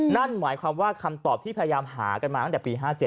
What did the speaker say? นั่นหมายความว่าคำตอบที่พยายามหากันมาตั้งแต่ปี๕๗